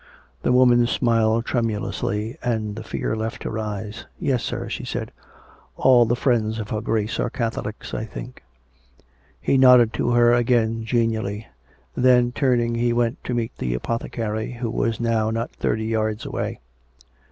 The woman smiled tremulously, and the fear left her eyes. " Yes, sir," she said. " All the friends of her Grace are Catholics, I think." He nodded to her again genially. Then, turning, he went to meet the apothecary, who was now not thirty yards away.